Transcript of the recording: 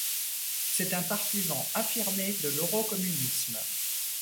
C'est un partisan affirmé de l'eurocommunisme.